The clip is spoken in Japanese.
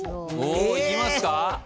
おいきますか？